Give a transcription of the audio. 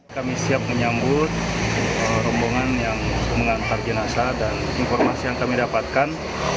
kami siap menyambut rombongan yang mengantar jenazah dan informasi yang kami dapatkan